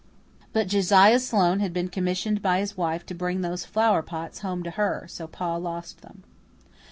But Josiah Sloane had been commissioned by his wife to bring those flower pots home to her; so Pa lost them.